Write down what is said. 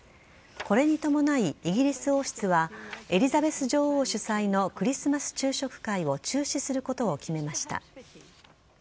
これに伴い、イギリス王室はエリザベス女王主催のクリスマス昼食会を中止することを決めました。